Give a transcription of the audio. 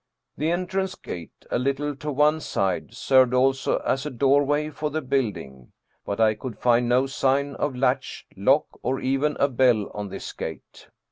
The entrance gate, a little to one side, served also as a doorway for the building, but I could find no sign of latch, lock, or even a bell on this gate.